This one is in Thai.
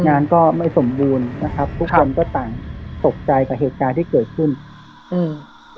งานก็ไม่สมบูรณ์นะครับทุกคนก็ต่างตกใจกับเหตุการณ์ที่เกิดขึ้นอืม